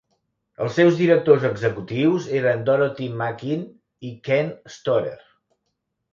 Els seus directors executius eren Dorothy Makin i Ken Storer.